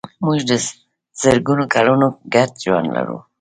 موږ د زرګونو کلونو ګډ ژوند لرو.